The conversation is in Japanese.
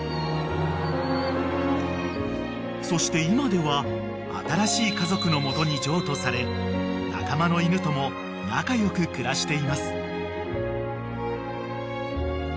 ［そして今では新しい家族の元に譲渡され仲間の犬とも仲良く暮らしています］